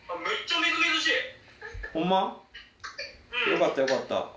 よかったよかった。